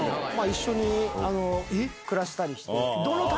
一緒に暮らしたりして。